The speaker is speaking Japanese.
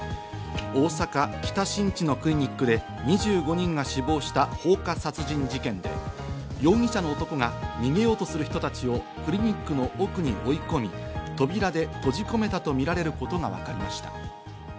大阪・北新地のクリニックで２５人が死亡した放火殺人事件で、容疑者の男が逃げようとする人たちをクリニックの奥に追い込み、扉で閉じ込めたとみられることがわかりました。